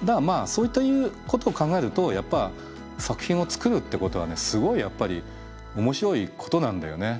だからまあそういうことを考えるとやっぱ作品を作るってことはねすごいやっぱり面白いことなんだよね。